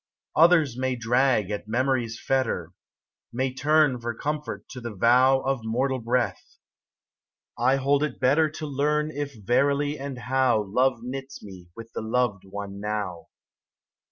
OTHERS may drag at memory's fetter. May turn for comfort to the vow Of mortal breath ; I hold it better To learn if verily and how Love knits me with the loved one now.